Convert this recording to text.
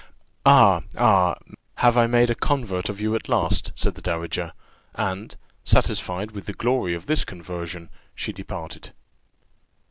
"Ah! ah! have I made a convert of you at last?" said the dowager; and, satisfied with the glory of this conversion, she departed.